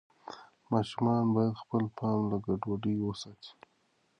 ماشومان باید خپل پام له ګډوډۍ وساتي.